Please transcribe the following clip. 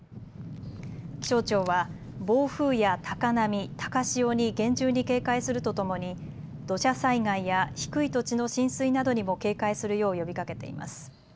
気象庁は暴風や高波、高潮に厳重に警戒するとともに土砂災害や低い土地の浸水などにも警戒するよう呼びかけています。